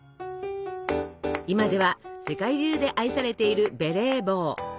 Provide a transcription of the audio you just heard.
今では世界中で愛されているベレー帽。